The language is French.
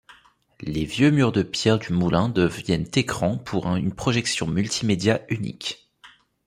Les vieux murs de pierre du moulin deviennent écran pour une projection multimédia unique.